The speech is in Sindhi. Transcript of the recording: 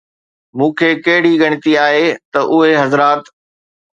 مون کي ڪهڙي ڳڻتي آهي ته اهي حضرات